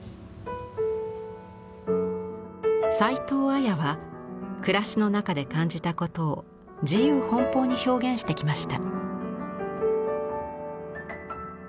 齊藤彩は暮らしの中で感じたことを自由奔放に表現してきました。